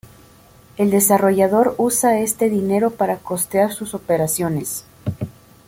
El desarrollador usa este dinero para costear sus operaciones.